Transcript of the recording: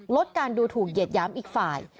ลดการดูถูกเย็ดย้ำอีกฝ่าย